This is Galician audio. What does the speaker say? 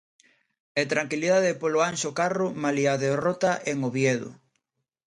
E tranquilidade polo Anxo Carro malia a derrota en Oviedo.